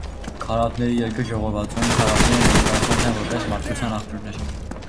«Քարափների երգը» ժողովածուում քարափները ներկայացված են որպես մարդկության աղբյուրներ։